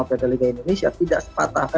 direktur utama pt liga indonesia tidak sepatah